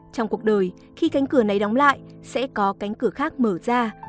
trong cuộc đời khi cánh cửa này đóng lại sẽ có cánh cửa khác mở ra